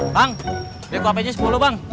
bang dek wp nya sepuluh bang